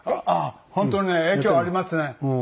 ああ本当にね影響ありますね。